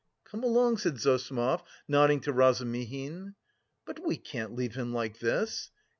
"Come along," said Zossimov, nodding to Razumihin. "But we can't leave him like this!"